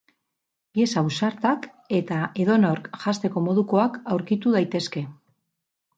Pieza ausartak eta edonork janzteko modukoak aurkitu daitezke.